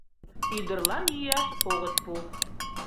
Ӱдырлан йӱаш огыт пу.